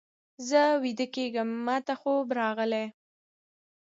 زه ویده کېږم، ماته خوب راغلی.